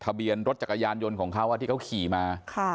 เบียนรถจักรยานยนต์ของเขาที่เขาขี่มา